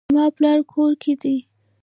زما پلار کور کې دی